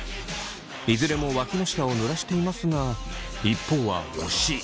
いずれもわきの下をぬらしていますが一方は惜しい。